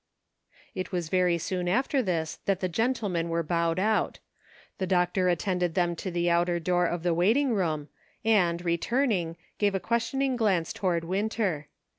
It was very soon after this that the gentlemen were bowed out ; the doctor attended them to the outer door of the waiting room, and, returning, gave a questioning glance toward Winter.